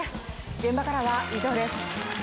現場からは以上です。